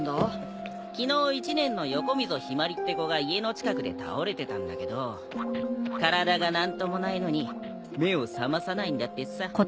昨日１年の横溝ひまりって子が家の近くで倒れてたんだけど体が何ともないのに目を覚まさないんだってさ。